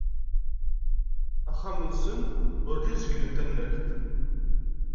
Axxam-nsen, urǧin zegglen tanalt.